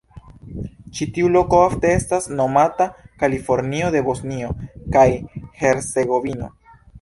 Ĉi tiu loko ofte estas nomata "Kalifornio de Bosnio kaj Hercegovino".